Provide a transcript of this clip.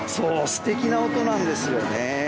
素敵な音なんですよね。